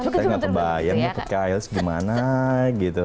kita nggak terbayar nih pakai high heels gimana gitu